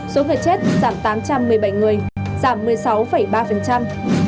số người chết giảm tám trăm một mươi bảy người giảm một mươi sáu ba